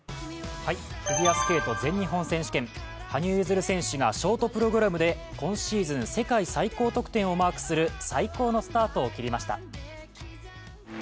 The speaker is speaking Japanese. フィギュアスケート全日本選手権、羽生結弦選手がショートプログラムで今シーズン世界最高得点をマークする最高のスタートを切りました。